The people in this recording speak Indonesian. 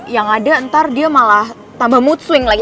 yang ada ntar dia malah tambah mood fling lagi